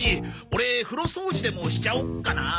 オレ風呂掃除でもしちゃおっかなあ。